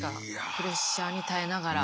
プレッシャーに耐えながら。